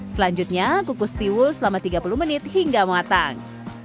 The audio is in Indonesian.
selanjutnya kukus tiwul selama tiga puluh menit hingga matang